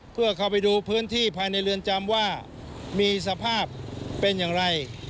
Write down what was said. เพื่อเข้าไปดูพื้นที่ภายในเรือนจำว่ามีสภาพเป็นอย่างไร